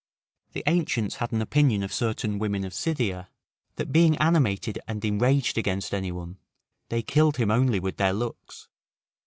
The ancients had an opinion of certain women of Scythia, that being animated and enraged against any one, they killed him only with their looks.